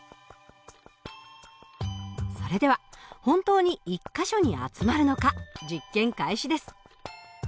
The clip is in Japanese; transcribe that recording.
それでは本当に１か所に集まるのか実験開始です。